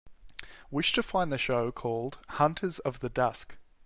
Wish to find the show called Hunters of the Dusk